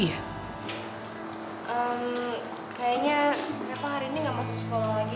kayaknya reva hari ini gak masuk sekolah lagi deh boy